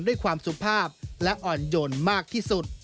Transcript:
ด้วยความสุภาพและอ่อนโยนมากที่สุด